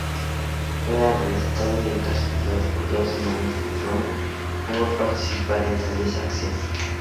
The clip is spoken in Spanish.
Fue arrestado y encarcelado por dos semanas en Roma por participar en tales acciones.